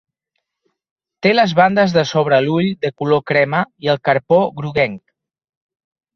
Té les bandes de sobre l'ull de color crema i el carpó groguenc.